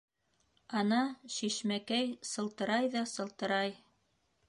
Ана, шишмәкәй сылтырай ҙа сылтырай.